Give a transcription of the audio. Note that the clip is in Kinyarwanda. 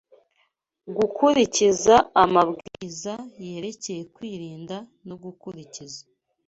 Gukurikiza amabwiriza yerekeye kwirinda no gukurikiza